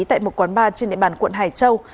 tại một quán bar trên địa bàn quận hải châu